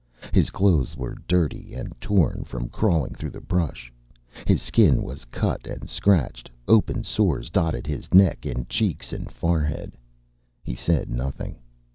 His clothes were dirty and torn from crawling through the brush. His skin was cut and scratched; open sores dotted his neck and cheeks and forehead. He said nothing.